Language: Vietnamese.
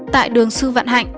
tại đường sư vạn hạnh